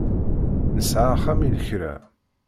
Nesɛa axxam i lekra.